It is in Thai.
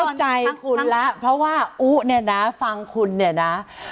เข้าใจคุณแล้วเพราะว่าอุ๊เนี่ยนะฟังคุณเนี่ยนะ